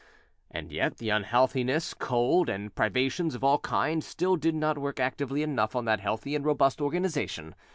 And yet the unhealthiness, cold, and privations of all kinds still did not work actively enough on that healthy and robust organisation.